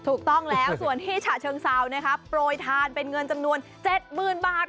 ถูกต้องแล้วส่วนที่ฉะเชิงเซานะคะโปรยทานเป็นเงินจำนวน๗๐๐๐บาท